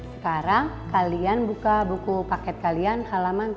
sekarang kalian buka buku paket kalian halaman tiga puluh lima